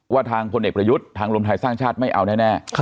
ทางพลเอกประยุทธ์ทางรวมไทยสร้างชาติไม่เอาแน่